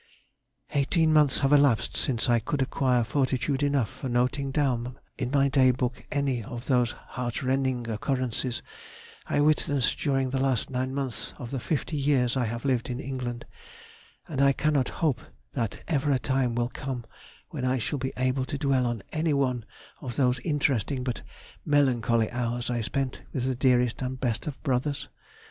"Eighteen months have elapsed since I could acquire fortitude enough for noting down in my Day book any of those heartrending occurrences I witnessed during the last nine months of the fifty years I have lived in England, and I cannot hope that ever a time will come when I shall be able to dwell on any one of those interesting but melancholy hours I spent with the dearest and best of brothers.